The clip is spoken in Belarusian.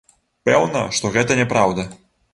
Пэўна, што гэта няпраўда.